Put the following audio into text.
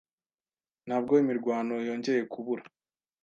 nabwo imirwano yongeye kubura